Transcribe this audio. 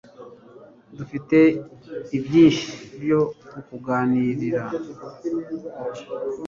Dufite byinshi byo kuganira